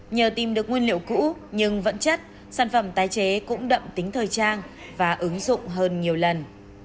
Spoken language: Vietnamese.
nhờ tìm được nguyên liệu cũ nhưng vẫn chất sản phẩm tái chế cũng đậm tính thời trang và ứng dụng hơn nhiều lần